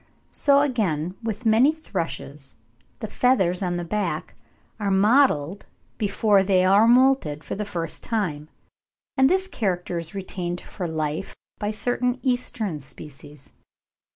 So again with many thrushes, the feathers on the back are mottled before they are moulted for the first time, and this character is retained for life by certain eastern species.